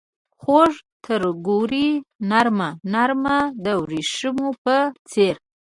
خوږه ترګوړې نرمه ، نرمه دوریښمو په څیر